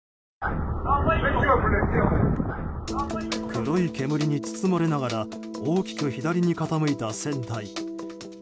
黒い煙に包まれながら大きく左に傾いた船体。